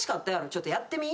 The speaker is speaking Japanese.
ちょっとやってみ。